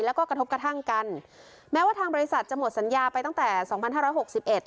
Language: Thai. แล้วก็กระทบกระทั่งกันแม้ว่าทางบริษัทจะหมดสัญญาไปตั้งแต่สองพันห้าร้อยหกสิบเอ็ด